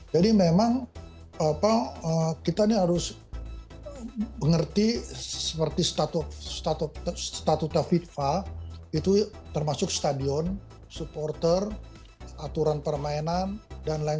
jadi memang kita harus mengerti seperti statuta fifa termasuk stadion supporter aturan permainan dan lain lain